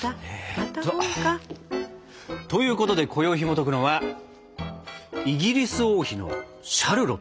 また本か。ということでこよいひもとくのは「イギリス王妃のシャルロット」！